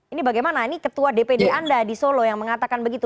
ini bagaimana ini ketua dpd anda di solo yang mengatakan begitu